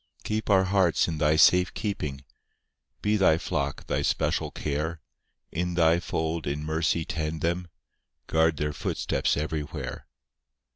III Keep our hearts in Thy safe keeping, Be Thy flock Thy special care; In Thy fold in mercy tend them, Guard their footsteps everywhere.